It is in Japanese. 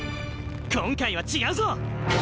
今回は違うぞ！